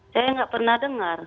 saya nggak pernah dengar